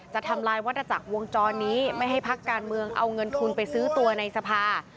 ทำลายวัตถจักรวงจรนี้ไม่ให้พักการเมืองเอาเงินทุนไปซื้อตัวในสภา